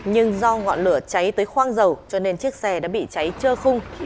nhưng do ngọn lửa cháy tới khoang dầu cho nên chiếc xe đã bị cháy trơ khung